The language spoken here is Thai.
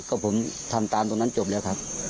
ก็ผมทำตามตรงนั้นจบแล้วครับ